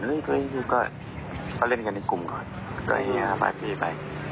เฮ้ยก็เล่นกันในกลุ่มก่อนก็ให้๕บาทไป